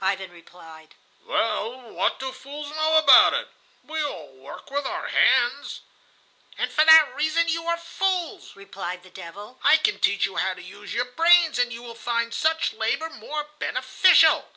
Ivan replied: "Well, what do fools know about it? We all work with our hands." "And for that reason you are fools," replied the devil. "I can teach you how to use your brains, and you will find such labor more beneficial."